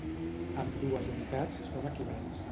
Ambdues unitats són equivalents.